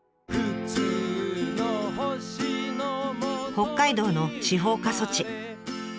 北海道の司法過疎地。